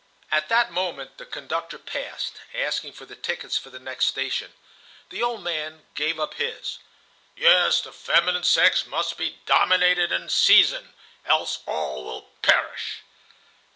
At that moment the conductor passed, asking for the tickets for the next station. The old man gave up his. "Yes, the feminine sex must be dominated in season, else all will perish."